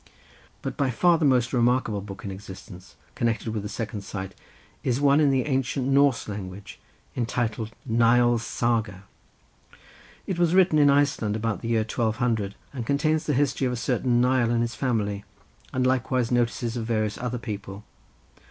But by far the most remarkable book in existence, connected with the second sight, is one in the ancient Norse language entitled Nial's Saga. It was written in Iceland about the year 1200, and contains the history of a certain Nial and his family, and likewise notices of various other people.